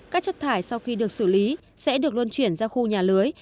các chất thải sau khi được xử lý sẽ được luân chuyển ra khu nhà lưới